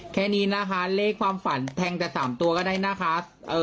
แค่นี้นะคะเลขความฝันแทงแต่๓ตัวก็ได้นะคะ